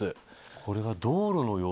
これは道路の様子。